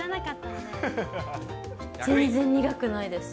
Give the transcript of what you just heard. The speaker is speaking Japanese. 全然苦くないです。